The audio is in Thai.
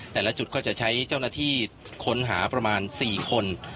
แต่ละจุดก็จะใช้เจ้าหน้าที่ค้นหาประมาณ๔คน